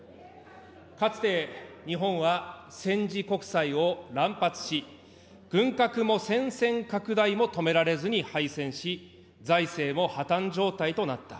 かつて日本は戦時国債を乱発し、軍拡も戦線拡大も止められずに敗戦し、財政も破綻状態となった。